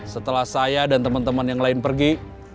setelah saya dan temen temen yang lain pergi